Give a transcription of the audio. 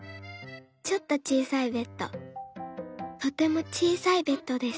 ちょっとちいさいベッドとてもちいさいベッドです。